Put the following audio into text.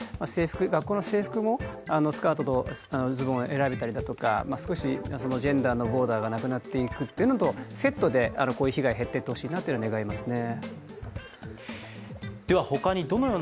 学校の制服もスカートとズボンを選べたり少し、ジェンダーのボーダーがなくなっていくというのとセットでこういう被害が減っていってほしいなと願いますね。